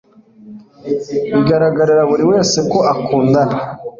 Bigaragarira buri wese ko akundana.